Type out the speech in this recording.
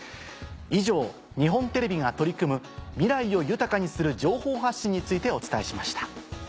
以上日本テレビが取り組む「未来を豊かにする情報発信」についてお伝えしました。